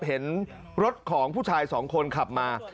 เห็นรถของผู้ชายสองคนขับมา